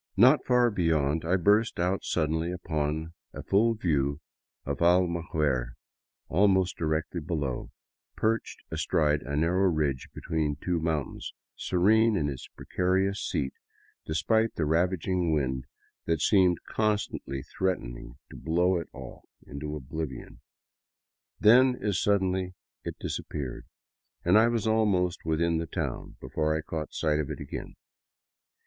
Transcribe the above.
Not far beyond, I burst out suddenly upon a full view of Almaguer, almost directly below, perched astride a narrow ridge between two mountains, serene in its precarious seat despite the raging wind that seemed constantly threatening to blow it off into oblivion. Then, as suddenly, it disappeared, and I was almost within the town before I caught sight of it again.